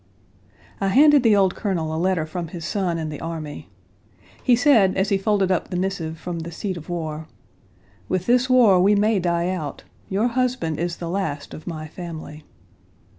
I handed the old Colonel a letter from his son in the army. He said, as he folded up the missive from the seat of war, "With this war we may die out. Your husband is the last of my family."